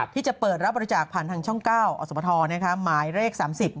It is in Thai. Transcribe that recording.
ที่จะเปิดรับบริจาคผ่านทางช่อง๙อสมทหมายเลข๓๐